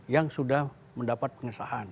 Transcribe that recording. yang sudah mendapat pengisahan